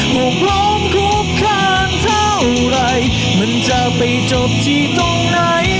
หกลมคุบข้างเท่าไหร่มันจะไปจบที่ตรงไหน